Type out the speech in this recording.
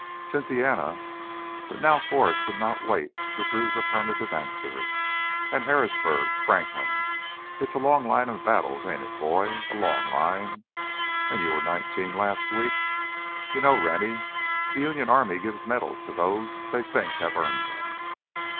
"Cynthiana" but now Forrest did not wait for Drew's affirmative answer "and Harrisburg, Franklin.... It's a long line of battles, ain't it, boy? A long line. And you were nineteen last week. You know, Rennie, the Union Army gives medals to those they think have earned them."